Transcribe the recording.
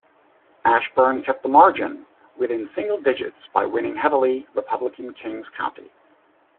Ashburn kept the margin within single digits by winning heavily Republican Kings County.